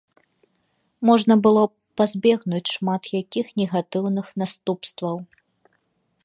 Можна было б пазбегнуць шмат якіх негатыўных наступстваў.